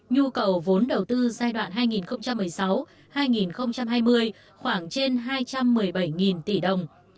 nhu cầu vốn đầu tư giai đoạn hai nghìn một mươi sáu hai nghìn hai mươi khoảng trên hai trăm một mươi bảy tỷ đồng